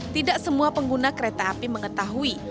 tidak semua pengguna kereta api mengetahui